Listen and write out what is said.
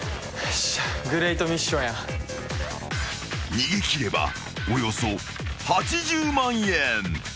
［逃げ切ればおよそ８０万円。